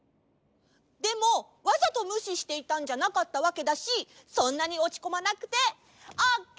でもわざとむししていたんじゃなかったわけだしそんなにおちこまなくてオッケーオッケー！